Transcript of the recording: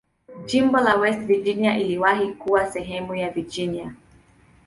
Jimbo la West Virginia iliwahi kuwa sehemu ya Virginia.